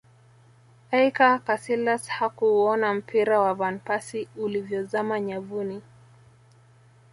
iker casilas hakuuona mpira wa van persie ulivyozama nyavuni